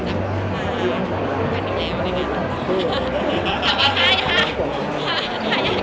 ขอบคุณภาษาให้ด้วยเนี่ย